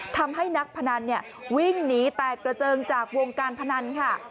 ทำให้นักพนันวิ่งหนีแตกกระเจิงจากวงการพนันค่ะ